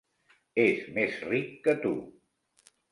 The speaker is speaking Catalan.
És més ric que tu.